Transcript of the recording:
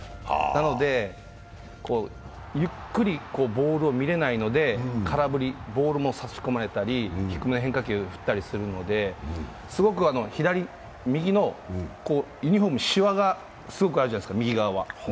なのでゆっくりボールを見れないので空振り、ボールも差し込まれたり低めの変化球を振ったりするので右のユニフォーム、しわが斜めにあるじゃないですか。